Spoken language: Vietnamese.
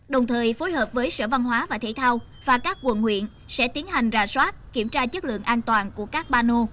đồng thời phối hợp với sở văn hóa và thể thao và các quận huyện sẽ tiến hành rà soát kiểm tra chất lượng an toàn của các bà nô